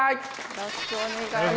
よろしくお願いします。